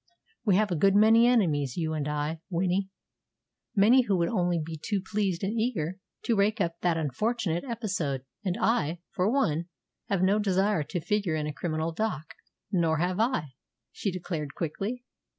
We have a good many enemies, you and I, Winnie many who would only be too pleased and eager to rake up that unfortunate episode. And I, for one, have no desire to figure in a criminal dock." "Nor have I," she declared quickly.